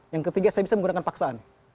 yang ketiga saya bisa menggunakan paksaan